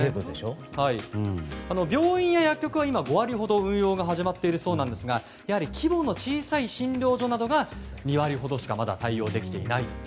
病院や薬局は５割ほど運用が始まっているそうですが規模の小さい診療所などが２割ほどしか対応できていないと。